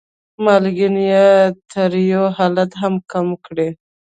مالګین یا تریو حالت یې کم کړي.